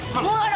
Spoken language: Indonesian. mau jadi anak